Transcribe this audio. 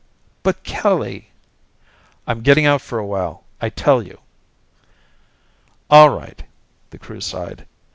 "But, Kelly " "I'm getting out for a while, I tell you!" "All right," the Crew sighed.